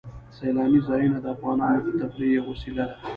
سیلانی ځایونه د افغانانو د تفریح یوه وسیله ده.